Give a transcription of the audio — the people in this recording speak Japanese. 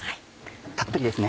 たっぷりですね。